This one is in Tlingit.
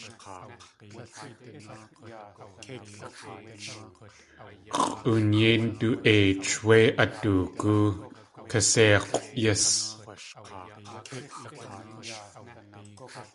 X̲ʼoon yéi ndu.eich wé at doogú kaséik̲ʼw yís.